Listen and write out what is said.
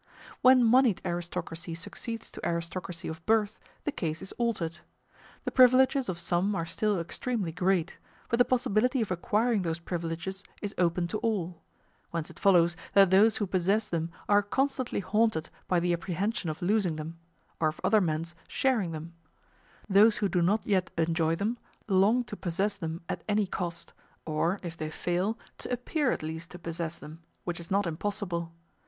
When moneyed aristocracy succeeds to aristocracy of birth, the case is altered. The privileges of some are still extremely great, but the possibility of acquiring those privileges is open to all: whence it follows that those who possess them are constantly haunted by the apprehension of losing them, or of other men's sharing them; those who do not yet enjoy them long to possess them at any cost, or, if they fail to appear at least to possess them which is not impossible.